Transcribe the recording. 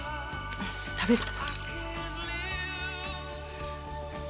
うん食べる。